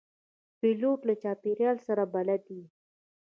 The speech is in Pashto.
پیلوټ له چاپېریال سره بلد وي.